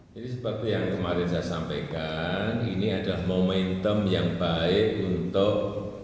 jadi sebabnya yang kemarin saya sampaikan ini adalah momentum yang baik untuk